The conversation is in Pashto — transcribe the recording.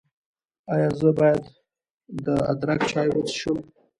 ایا زه باید د ادرک چای وڅښم؟